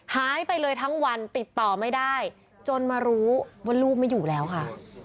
หายไปเลยทั้งวันติดต่อไม่ได้จนมารู้ว่าลูกไม่อยู่แล้วค่ะ